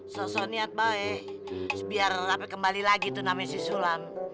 sosok niat baik biar sampai kembali lagi tuh namanya si sulam